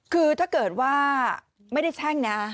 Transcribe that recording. คือถ้าเกิดว่าไม่ได้แช่งนะ